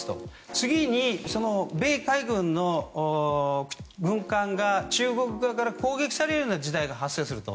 次に、米海軍の軍艦が中国側から攻撃されるような事態が発生すると。